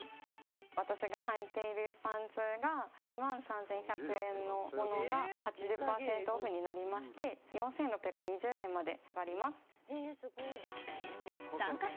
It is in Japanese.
私がはいているパンツが２万３１００円のものが８０％オフになりまして４６２０円まで下がります。